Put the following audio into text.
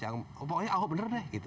yang pokoknya ahok bener deh